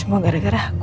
ya semua gara gara aku